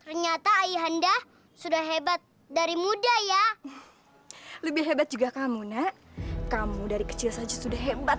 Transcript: ternyata ayahanda sudah hebat dari muda ya lebih hebat juga kamu nak kamu dari kecil saja sudah hebat